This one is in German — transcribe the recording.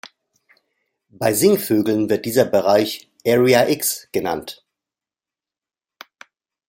Bei Singvögeln wird dieser Bereich "Area X" genannt.